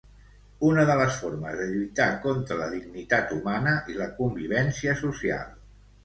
Una de les formes de lluitar contra la dignitat humana i la convivència social.